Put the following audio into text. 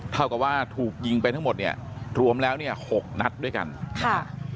เท่ากับว่าถูกยิงไปทั้งหมดเนี่ยรวมแล้วเนี่ยหกนัดด้วยกันค่ะ